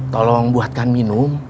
tolong buatkan minum